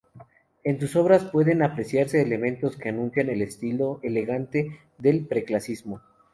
En sus obras pueden apreciarse elementos que anuncian el estilo galante del pre-clasicismo.